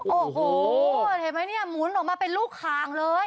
โอ้โหเห็นไหมเนี่ยหมุนออกมาเป็นลูกคางเลย